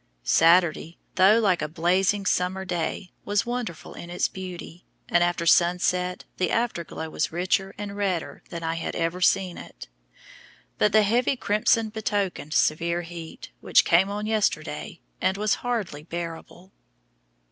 Saturday, though like a blazing summer day, was wonderful in its beauty, and after sunset the afterglow was richer and redder than I have ever seen it, but the heavy crimson betokened severe heat, which came on yesterday, and was hardly bearable.